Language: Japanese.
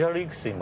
今。